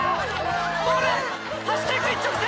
ゴールへ走っていく一直線！